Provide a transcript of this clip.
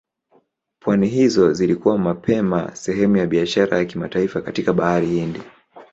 Pwani hizo zilikuwa mapema sehemu ya biashara ya kimataifa katika Bahari Hindi.